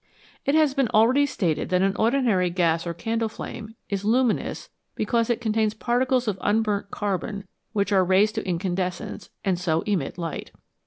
It has been already stated that an ordinary gas or candle flame is luminous because it contains particles of unburnt carbon which are raised to incandescence, and so emit light.